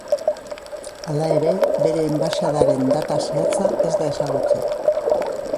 Hala ere, bere enbaxadaren data zehatza ez da ezagutzen.